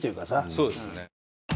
そうですね。